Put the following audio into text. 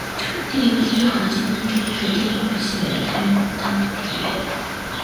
地理位置最好的竞争者之一是地处西北的太原留守唐国公李渊。